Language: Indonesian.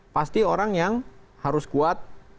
pasti orang yang harus kuat